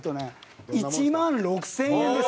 １万６０００円です。